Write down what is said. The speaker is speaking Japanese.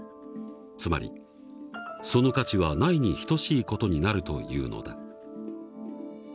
つまりその価値はないに等しい事になるというのだ。